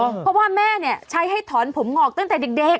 เพราะว่าแม่เนี่ยใช้ให้ถอนผมงอกตั้งแต่เด็ก